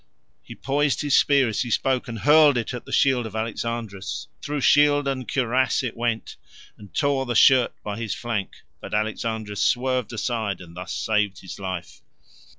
He poised his spear as he spoke, and hurled it at the shield of Alexandrus. Through shield and cuirass it went, and tore the shirt by his flank, but Alexandrus swerved aside, and thus saved his life.